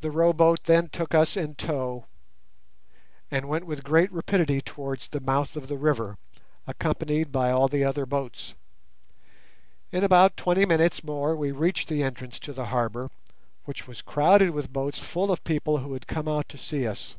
The row boat then took us in tow, and went with great rapidity towards the mouth of the river, accompanied by all the other boats. In about twenty minutes more we reached the entrance to the harbour, which was crowded with boats full of people who had come out to see us.